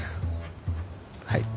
はい。